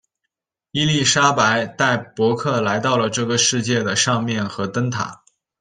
伊丽莎白带伯克来到了这个世界的上面和灯塔。